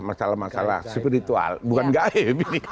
masalah masalah spiritual bukan gaib